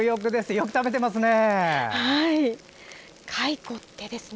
よく食べていますね。